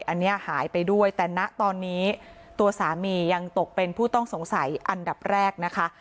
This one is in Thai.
อันนี้หายไปด้วยแต่ณตอนนี้ตัวสามียังตกเป็นผู้ต้องสงสัยอันดับแรกนะคะ